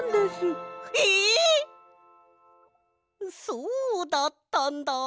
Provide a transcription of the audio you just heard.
そうだったんだ。